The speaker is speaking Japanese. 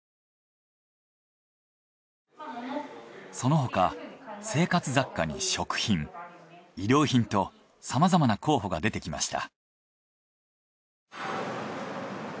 その他生活雑貨に食品衣料品とさまざまな候補が出てきました。